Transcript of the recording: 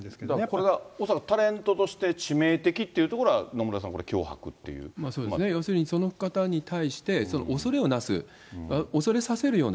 これは恐らくタレントとして致命的っていうところは、野村さそうですね、要するにその方に対して、恐れをなす、恐れさせるような。